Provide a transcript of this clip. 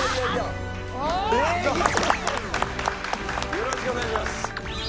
よろしくお願いします。